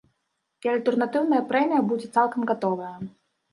І альтэрнатыўная прэмія будзе цалкам гатовая.